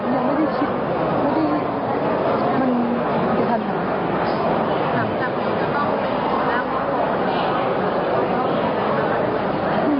ของเหมือนกันก็ความรักกับคนที่ก็มีจำนวน